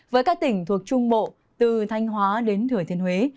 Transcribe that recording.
với các tỉnh thuộc trung bộ từ thanh hóa đến thừa thiên huế